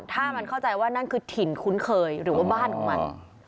ถ้ามันเข้าใจว่านั่นคือถิ่นคุ้นเคยหรือว่าบ้านของมัน